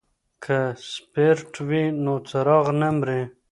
که سپیرټ وي نو څراغ نه مري.